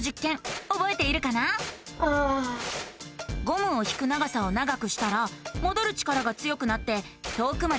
ゴムを引く長さを長くしたらもどる力が強くなって遠くまでうごいたよね。